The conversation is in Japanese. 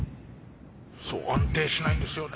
そう安定しないんですよね。